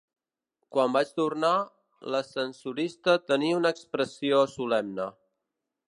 Quan vaig tornar, l'ascensorista tenia una expressió solemne.